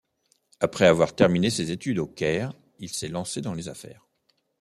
Après avoir terminé ses études au Caire, il s'est lancé dans les affaires.